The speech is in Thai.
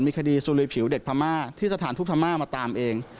มีคดีสุลุยผิวเด็กพม่าที่สถานทูปพม่ามาตามเอง